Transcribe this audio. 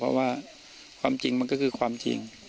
เพราะว่าความจริงมันก็คือความจริง